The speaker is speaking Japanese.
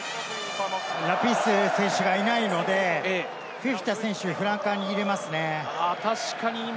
ラピース選手がいないので、フィフィタ選手をフランカーに入れますね。